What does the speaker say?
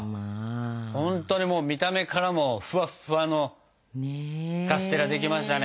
ほんとにもう見た目からもフワッフワのカステラできましたね。